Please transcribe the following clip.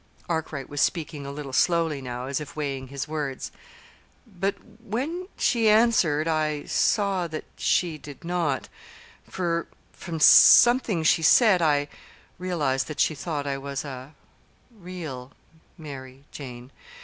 (Arkwright was speaking a little slowly now, as if weighing his words.) "But when she answered, I saw that she did not; for, from something she said, I realized that she thought I was a real Mary Jane.